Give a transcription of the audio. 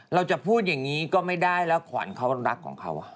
เราจะพูดอย่างนี้ก็ไม่ได้แล้วขวัญเขารักของเขา